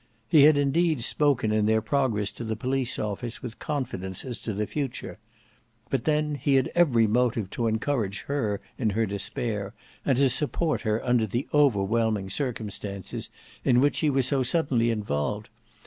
He had indeed spoken in their progress to the police office with confidence as to the future, but then he had every motive to encourage her in her despair, and to support her under the overwhelming circumstances in which she was so suddenly involved.